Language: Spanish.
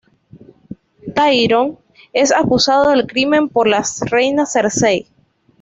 Tyrion es acusado del crimen por la reina Cersei.